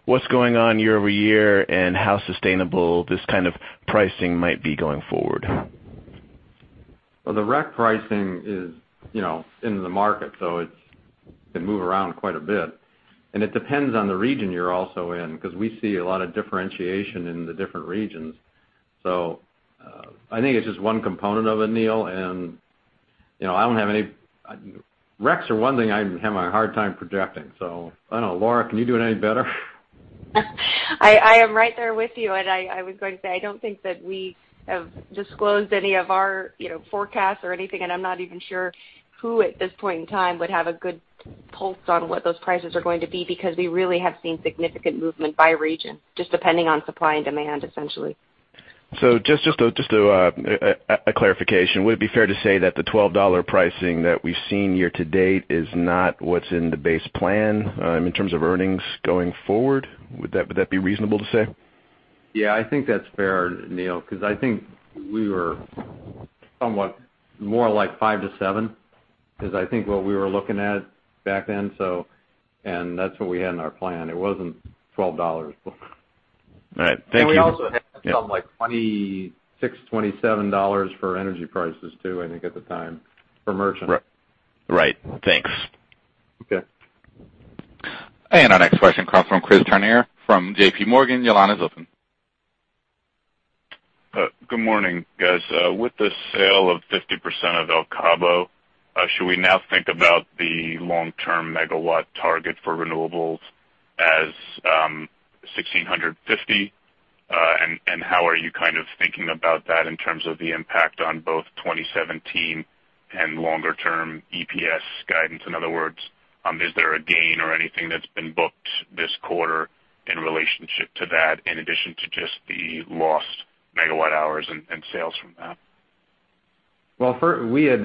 what's going on year-over-year and how sustainable this kind of pricing might be going forward. The REC pricing is in the market, it can move around quite a bit. It depends on the region you're also in, because we see a lot of differentiation in the different regions. I think it's just one component of it, Neil, and RECs are one thing I have a hard time projecting. I don't know, Laura, can you do it any better? I am right there with you, I was going to say, I don't think that we have disclosed any of our forecasts or anything, I'm not even sure who, at this point in time, would have a good pulse on what those prices are going to be, because we really have seen significant movement by region, just depending on supply and demand, essentially. Just a clarification. Would it be fair to say that the $12 pricing that we've seen year-to-date is not what's in the base plan in terms of earnings going forward? Would that be reasonable to say? I think that's fair, Neil, because I think we were somewhat more like five to seven, is I think what we were looking at back then. That's what we had in our plan. It wasn't $12. All right. Thank you. We also had something like $26, $27 for energy prices, too, I think, at the time, for merchant. Right. Thanks. Okay. Our next question comes from Christopher Turnure from J.P. Morgan. Your line is open. Good morning, guys. With the sale of 50% of El Cabo, should we now think about the long-term megawatt target for renewables as 1,650? How are you thinking about that in terms of the impact on both 2017 and longer-term EPS guidance? In other words, is there a gain or anything that's been booked this quarter in relationship to that, in addition to just the lost megawatt hours and sales from that? Well, we had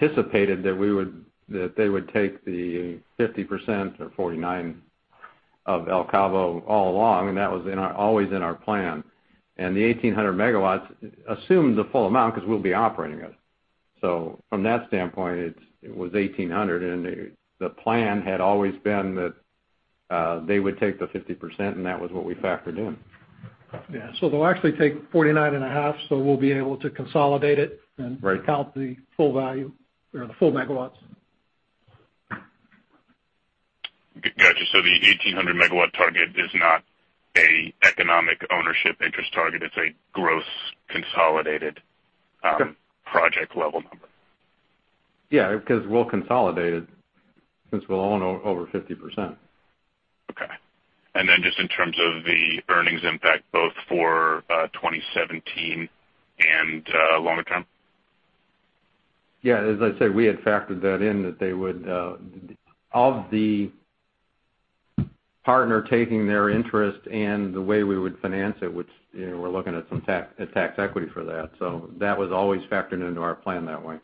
anticipated that they would take the 50%, or 49, of El Cabo all along. That was always in our plan. The 1,800 megawatts assumes the full amount because we'll be operating it. From that standpoint, it was 1,800 and the plan had always been that they would take the 50%, and that was what we factored in. Yeah. They'll actually take 49 and a half, so we'll be able to consolidate it- Right Count the full value or the full megawatts. Got you. The 1,800-megawatt target is not a economic ownership interest target, it's a gross consolidated- Correct project level number. Because we'll consolidate it since we'll own over 50%. Just in terms of the earnings impact both for 2017 and longer term? Yeah, as I said, we had factored that in that they would Of the partner taking their interest and the way we would finance it, which we're looking at some tax equity for that. That was always factored into our plan that way.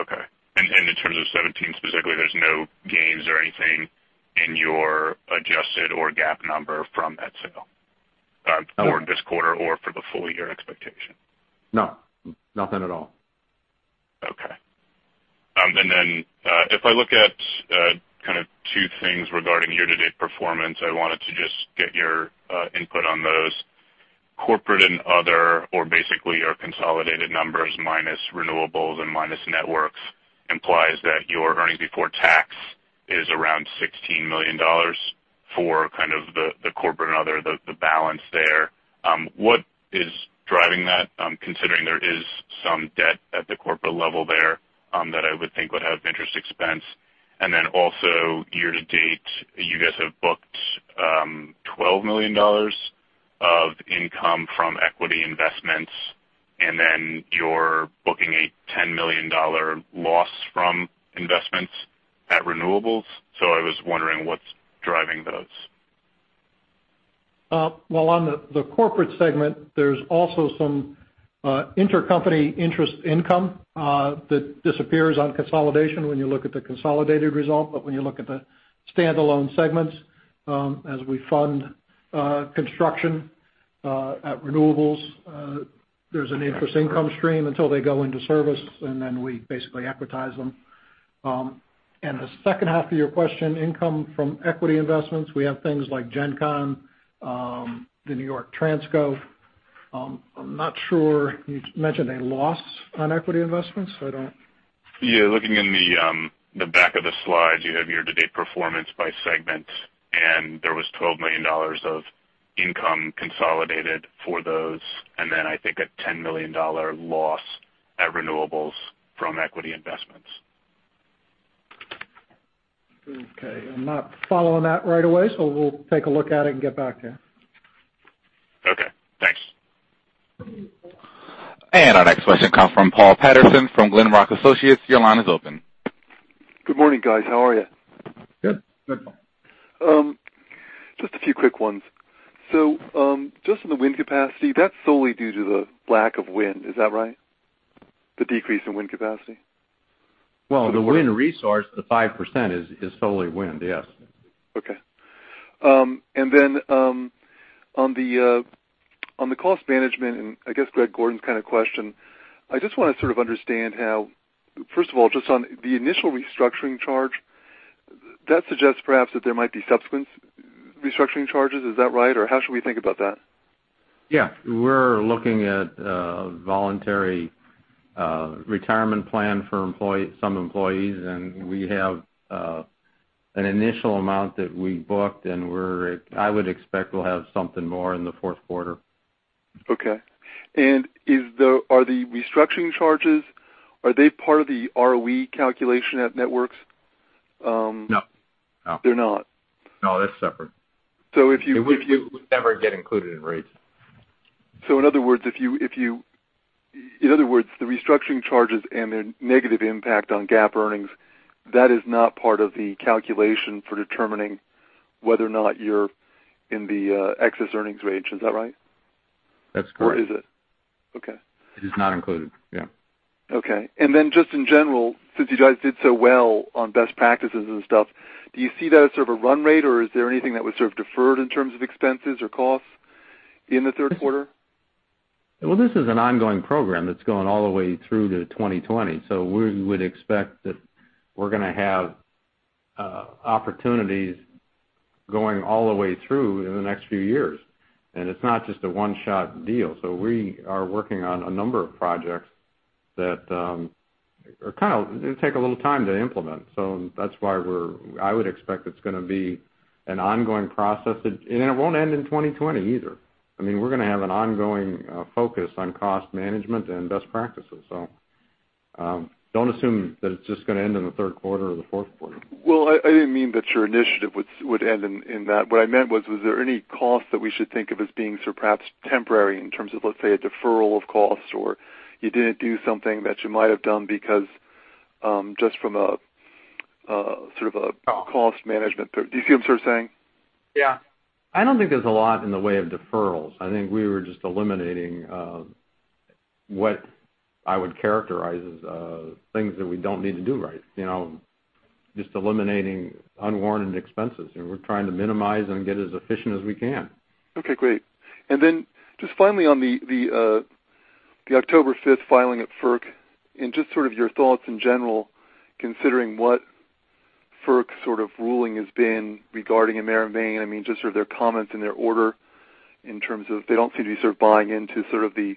Okay. In terms of 2017 specifically, there's no gains or anything in your adjusted or GAAP number from that sale? No. For this quarter or for the full-year expectation. No. Nothing at all. Okay. If I look at two things regarding year-to-date performance, I wanted to just get your input on those. Corporate and other, or basically your consolidated numbers minus Renewables and minus Networks, implies that your earnings before tax is around $16 million for the Corporate and other, the balance there. What is driving that? Considering there is some debt at the corporate level there that I would think would have interest expense. Also year-to-date, you guys have booked $12 million of income from equity investments, then you're booking a $10 million loss from investments at Renewables. I was wondering what's driving those. Well, on the Corporate segment, there's also some intercompany interest income that disappears on consolidation when you look at the consolidated result. When you look at the standalone segments, as we fund construction at Renewables, there's an interest income stream until they go into service, then we basically equitize them. The second half of your question, income from equity investments, we have things like GenConn, the New York Transco. I'm not sure, you mentioned a loss on equity investments. I don't Yeah. Looking in the back of the slides, you have year-to-date performance by segment, there was $12 million of income consolidated for those, then I think a $10 million loss at Renewables from equity investments. Okay. I'm not following that right away, we'll take a look at it and get back to you. Our next question comes from Paul Patterson from Glenrock Associates. Your line is open. Good morning, guys. How are you? Good. Good. Just a few quick ones. Just on the wind capacity, that's solely due to the lack of wind. Is that right? The decrease in wind capacity? Well, the wind resource, the 5% is solely wind, yes. Okay. On the cost management, I guess Greg Gordon's kind of question, I just want to sort of understand how, first of all, just on the initial restructuring charge, that suggests perhaps that there might be subsequent restructuring charges. Is that right? Or how should we think about that? Yeah. We're looking at a voluntary retirement plan for some employees, we have an initial amount that we booked, and I would expect we'll have something more in the fourth quarter. Okay. Are the restructuring charges, are they part of the ROE calculation at Avangrid Networks? No. They're not. No, that's separate. If you- It would never get included in rates. In other words, the restructuring charges and their negative impact on GAAP earnings, that is not part of the calculation for determining whether or not you're in the excess earnings range. Is that right? That's correct. Is it? Okay. It is not included. Yeah. Okay. Just in general, since you guys did so well on best practices and stuff, do you see that as sort of a run rate, or is there anything that was sort of deferred in terms of expenses or costs in the third quarter? Well, this is an ongoing program that's going all the way through to 2020, we would expect that we're going to have opportunities going all the way through in the next few years. It's not just a one-shot deal. We are working on a number of projects that take a little time to implement. That's why I would expect it's going to be an ongoing process. It won't end in 2020 either. We're going to have an ongoing focus on cost management and best practices. Don't assume that it's just going to end in the third quarter or the fourth quarter. Well, I didn't mean that your initiative would end in that. What I meant was there any cost that we should think of as being perhaps temporary in terms of, let's say, a deferral of costs, or you didn't do something that you might have done because, just from a sort of a cost management, do you see what I'm sort of saying? Yeah. I don't think there's a lot in the way of deferrals. I think we were just eliminating what I would characterize as things that we don't need to do right. Just eliminating unwarranted expenses. We're trying to minimize and get as efficient as we can. Okay, great. Just finally on the October 5th filing at FERC, and just sort of your thoughts in general, considering what FERC's sort of ruling has been regarding Emera Maine, just sort of their comments and their order in terms of they don't seem to be sort of buying into sort of the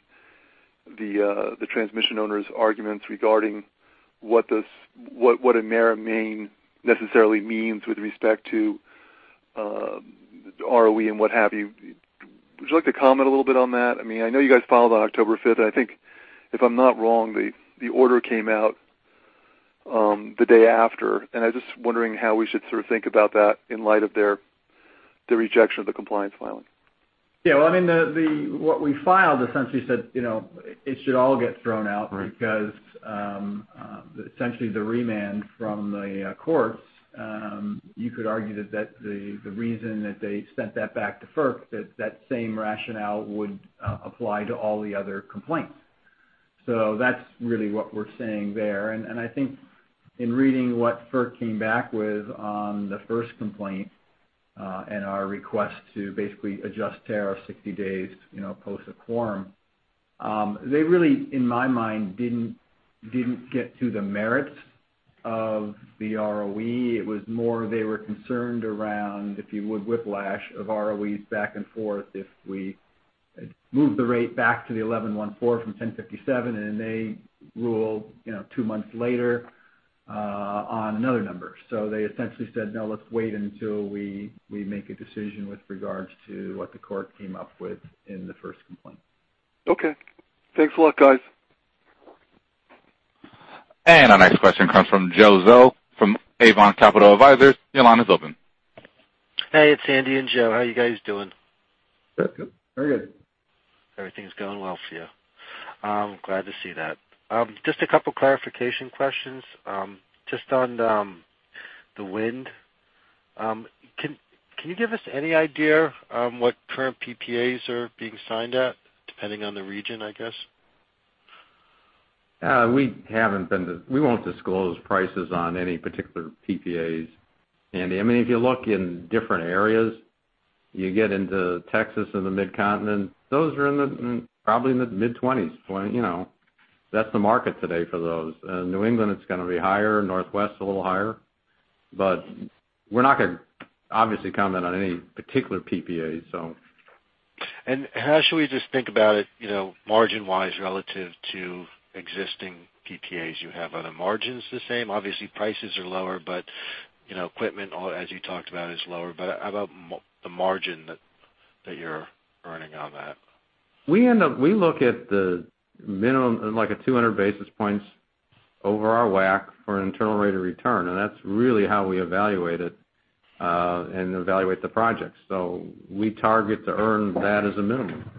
transmission owner's arguments regarding what Emera Maine necessarily means with respect to ROE and what have you. Would you like to comment a little bit on that? I know you guys filed on October 5th. I think if I'm not wrong, the order came out the day after, and I'm just wondering how we should sort of think about that in light of their rejection of the compliance filing. Yeah. Well, what we filed essentially said it should all get thrown out. Right Essentially the remand from the courts, you could argue that the reason that they sent that back to FERC, that same rationale would apply to all the other complaints. That's really what we're saying there. I think in reading what FERC came back with on the first complaint, and our request to basically adjust TAR of 60 days post a quorum, they really, in my mind, didn't get to the merits of the ROE. It was more they were concerned around, if you would, whiplash of ROEs back and forth if we moved the rate back to the 11.4 from 10.57, and they ruled two months later on another number. They essentially said, "No, let's wait until we make a decision with regards to what the court came up with in the first complaint. Okay. Thanks a lot, guys. Our next question comes from Joe Zhou from Avon Capital Advisors. Your line is open. Hey, it's Andy and Joe. How you guys doing? Good. Good. Very good. Everything's going well for you. I'm glad to see that. Just a couple clarification questions. Just on the wind. Can you give us any idea on what current PPAs are being signed at, depending on the region, I guess? We won't disclose prices on any particular PPAs, Andy. If you look in different areas, you get into Texas and the Mid-Continent, those are in the probably in the mid-$20s. That's the market today for those. In New England, it's going to be higher. Northwest, a little higher. We're not going to obviously comment on any particular PPA. How should we just think about it margin wise relative to existing PPAs you have? Are the margins the same? Obviously, prices are lower, equipment, as you talked about, is lower. How about the margin that you're earning on that? We look at the minimum, like 200 basis points over our WACC for internal rate of return, that's really how we evaluate it and evaluate the project. We target to earn that as a minimum.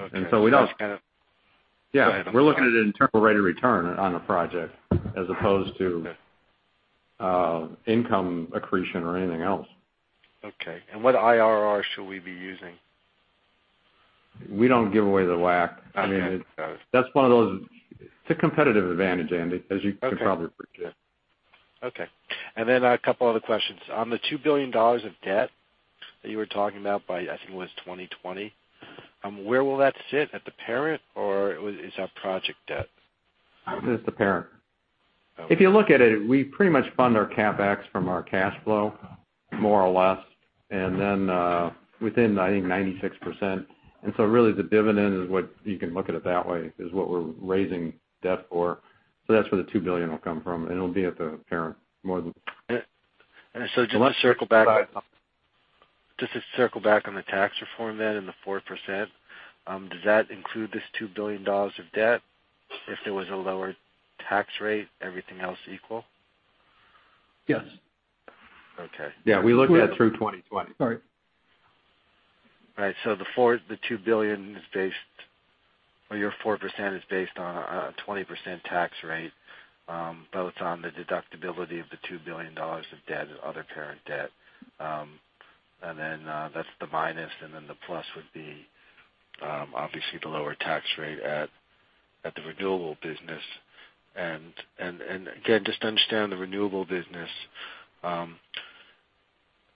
Okay. We don't. Just kind of Go ahead. Yeah. We're looking at an internal rate of return on a project as opposed to. Okay Income accretion or anything else. Okay. What IRR should we be using? We don't give away the WACC. Okay. Got it. That's one of those It's a competitive advantage, Andy, as you can probably predict. Okay. Then a couple other questions. On the $2 billion of debt that you were talking about by, I think it was 2020, where will that sit, at the parent, or it's our project debt? It's the parent. Okay. If you look at it, we pretty much fund our CapEx from our cash flow, more or less. Within, I think, 96%. Really the dividend is what you can look at it that way, is what we're raising debt for. That's where the $2 billion will come from, and it'll be at the parent more than. Just to circle back. Go ahead. Just to circle back on the tax reform and the 4%, does that include this $2 billion of debt if there was a lower tax rate, everything else equal? Yes. Okay. Yeah, we look at it through 2020. Sorry. Right. The $2 billion is based or your 4% is based on a 20% tax rate, both on the deductibility of the $2 billion of debt and other parent debt. Then, that's the minus, and then the plus would be, obviously, the lower tax rate at the renewable business. Again, just to understand the renewable business,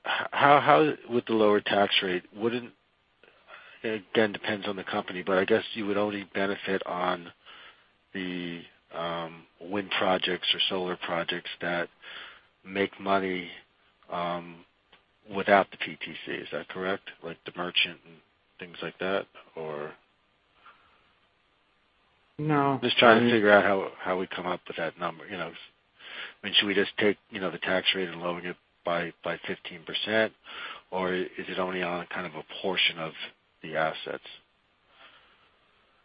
how with the lower tax rate, wouldn't it again, depends on the company, but I guess you would only benefit on the wind projects or solar projects that make money without the PTC, is that correct? Like the merchant and things like that, or? No. Just trying to figure out how we come up with that number. Should we just take the tax rate and lowering it by 15%, or is it only on a portion of the assets?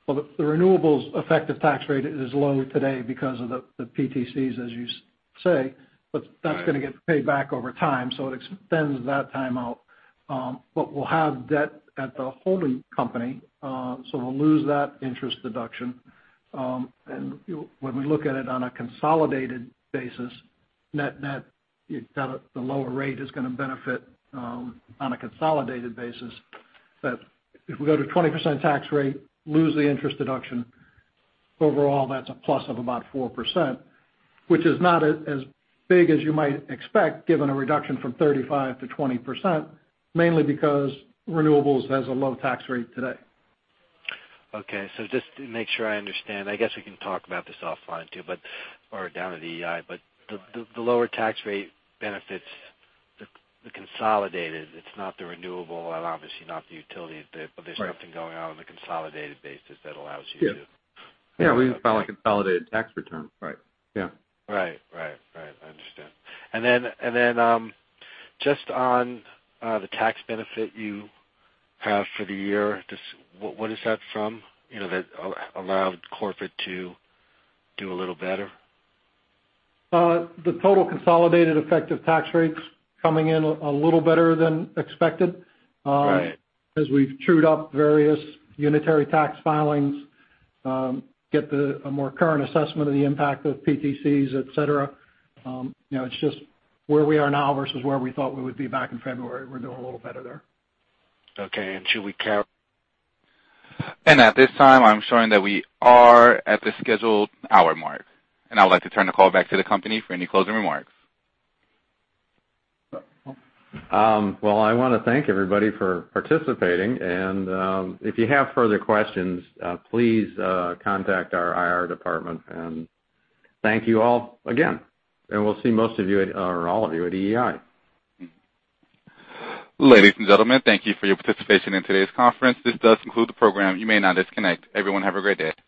Well, the renewables effective tax rate is low today because of the PTCs, as you say. Right. That's going to get paid back over time, it extends that time out. We'll have debt at the holding company, we'll lose that interest deduction. When we look at it on a consolidated basis, net, the lower rate is going to benefit on a consolidated basis. If we go to 20% tax rate, lose the interest deduction, overall that's a plus of about 4%, which is not as big as you might expect, given a reduction from 35% to 20%, mainly because renewables has a low tax rate today. Okay. Just to make sure I understand, I guess we can talk about this offline too, but, or down at EEI. The lower tax rate benefits the consolidated. It's not the renewable and obviously not the utility- Right There's something going on in the consolidated basis that allows you to- Yes. We file a consolidated tax return. Right. Yeah. Right. I understand. Just on the tax benefit you have for the year, what is that from? That allowed corporate to do a little better. The total consolidated effective tax rate's coming in a little better than expected. Right. As we've trued up various unitary tax filings, get a more current assessment of the impact of PTCs, et cetera. It's just where we are now versus where we thought we would be back in February. We're doing a little better there. Okay. Should we count? At this time, I'm showing that we are at the scheduled hour mark, and I'd like to turn the call back to the company for any closing remarks. Well, I want to thank everybody for participating. If you have further questions, please contact our IR department. Thank you all again, and we'll see most of you, or all of you at EEI. Ladies and gentlemen, thank you for your participation in today's conference. This does conclude the program. You may now disconnect. Everyone have a great day.